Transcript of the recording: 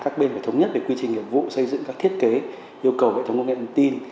các bên phải thống nhất về quy trình nghiệp vụ xây dựng các thiết kế yêu cầu hệ thống công nghệ thông tin